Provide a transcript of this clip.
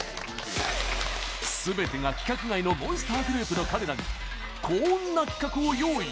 すべてが規格外のモンスターグループの彼らにこんな企画を用意。